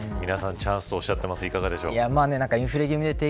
チャンスとおっしゃってますがいかがでしょう。